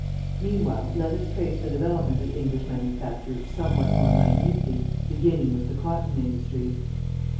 Meanwhile, let us trace the development of English manufacture somewhat more minutely, beginning with the cotton industry.